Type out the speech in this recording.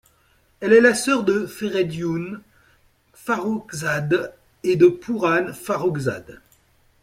Elle est la sœur de Fereydoun Farrokhzad et de Pooran Farrokhzad.